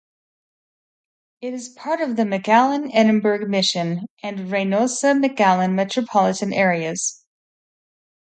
It is part of the McAllen-Edinburg-Mission and Reynosa-McAllen metropolitan areas.